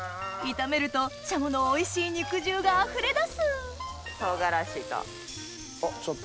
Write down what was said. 炒めるとしゃものおいしい肉汁があふれ出す唐辛子と。